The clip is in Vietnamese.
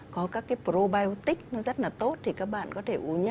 có các cái probiotic nó rất là tốt thì các bạn có thể uống nhé